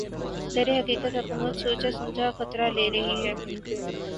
درحقیقت حکومت سوچاسمجھا خطرہ لے رہی ہے